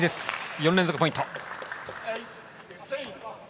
４連続ポイント。